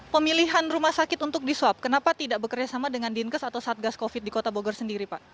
pemilihan rumah sakit untuk di swab kenapa tidak bekerjasama dengan dinkes atau satgas covid di kota bogor sendiri pak